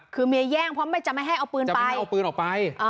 คือเมียแย่งเพราะไม่จะมาให้เอาปืนไป